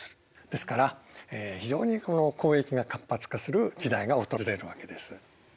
ですから非常に交易が活発化する時代が訪れるわけです。